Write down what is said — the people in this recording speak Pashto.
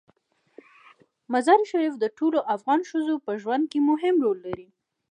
مزارشریف د ټولو افغان ښځو په ژوند کې مهم رول لري.